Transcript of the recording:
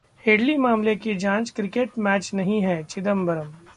Headley मामले की जांच क्रिकेट मैच नहीं है: चिदंबरम